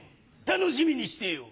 楽しみにしてよ。